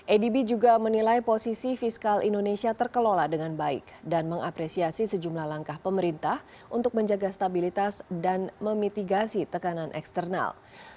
adb juga menilai posisi fiskal indonesia terkelola dengan baik dan mengapresiasi sejumlah langkah pemerintah untuk menjaga stabilitas dan memitigasi tekanan eksternal